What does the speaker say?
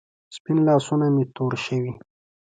سپین لاسونه مې تور شوې